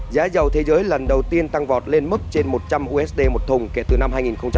giá dầu thế giới lần đầu tiên tăng vọt lên mức trên một trăm linh usd một thùng kể từ năm hai nghìn một mươi